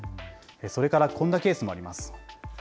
それからこんなケースもあります。